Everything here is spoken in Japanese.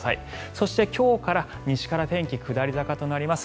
そして今日から西から天気下り坂となります。